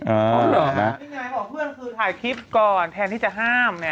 เพื่อนคือถ่ายคลิปก่อนแทนที่จะห้าม